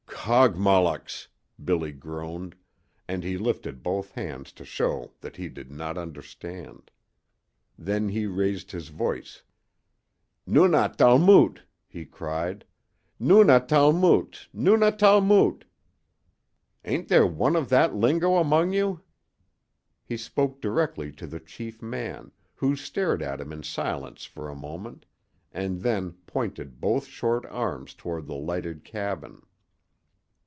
"Kogmollocks!" Billy groaned, and he lifted both hands to show that he did not understand. Then he raised his voice. "Nuna talmute," he cried. "Nuna talmute Nuna talmute! Ain't there one of that lingo among you?" He spoke directly to the chief man, who stared at him in silence for a moment and then pointed both short arms toward the lighted cabin.